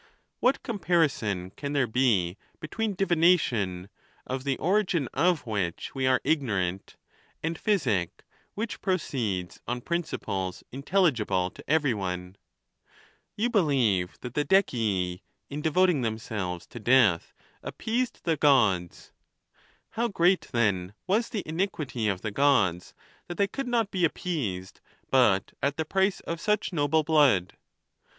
What comparison can there be between divination, of the origin of which we are ignorant, and physic, which proceeds on principles intel ligible to every one ? You believe that the Decii," in de voting themselves to death, appeased the Gods. How great, then, was the iniquity of the Gods that they could not be appeased but at the price of such noble blood